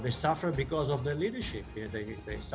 tapi mereka menderita karena kepemimpinannya